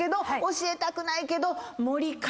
教えたくないけど。